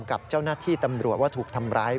กับเจ้าหน้าที่ตำรวจว่าถูกทำร้าย